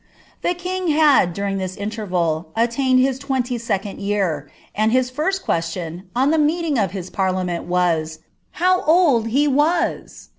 The king had, during this interval, attained his twenty second yeai^ and his firbl question, on the meeting of his parliament, was, " Itow olil be was